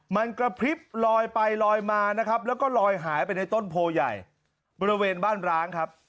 มันกระพริบลอยไปลอยมานะครับแล้วก็ลอยหายไปในต้นโพใหญ่บริเวณบ้านร้างครับ